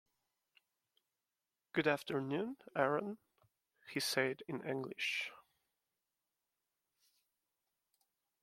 "Good afternoon, Aaron," he said in English.